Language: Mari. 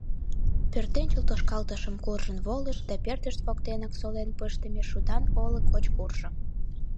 Пӧртӧнчыл тошкалтышым куржын волыш да пӧртышт воктенак солен пыштыме шудан олык гоч куржо.